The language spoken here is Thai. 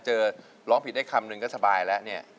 ร้องผิดได้คำนึงก็สบายแล้วเนี่ย